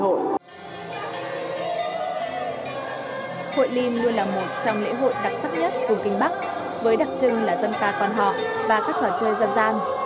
hội liêm luôn là một trong lễ hội đặc sắc nhất vùng kinh bắc với đặc trưng là dân ca quan họ và các trò chơi dân gian